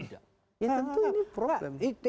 ya tentu ini problem